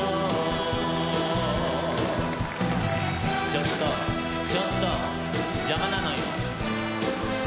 ちょっとちょっと邪魔なのよ。